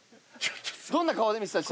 どんな顔で見てたの？